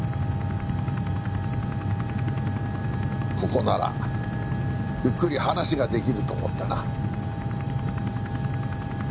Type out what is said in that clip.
ここならゆっくり話が出来ると思ってな。